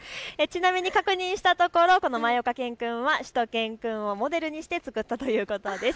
確認したところ、このまいおか犬くんはしゅと犬くんをモデルにして作ったそうです。